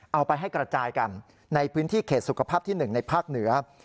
เอาไปให้กระจายกันในพื้นที่เขตสุขภาพที่๑ในภาคเหนือ